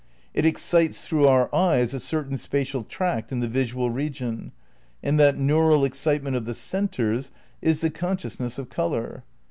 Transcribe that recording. It excites through our eyes a certain spatial tract in the visual region ... and that neural ex citement of the centres is the consciousness of colour.